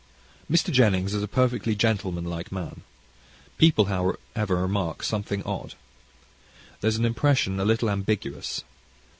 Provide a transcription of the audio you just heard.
Mr. Jennings is a perfectly gentlemanlike man. People, however, remark something odd. There is an impression a little ambiguous.